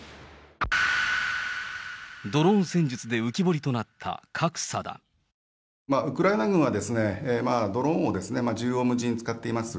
ドローン戦術で浮き彫りとなったウクライナ軍は、ドローンを縦横無尽に使っています。